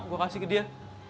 gua kasih ke dia